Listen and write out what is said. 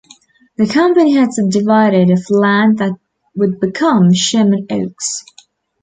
The company had subdivided of land that would become Sherman Oaks.